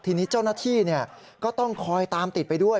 ทีนี้เจ้าหน้าที่ก็ต้องคอยตามติดไปด้วย